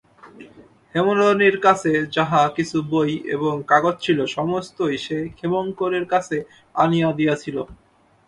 হেমনলিনীর কাছে যাহা-কিছু বই এবং কাগজ ছিল, সমস্তই সে ক্ষেমংকরীর কাছে আনিয়া দিয়াছিল।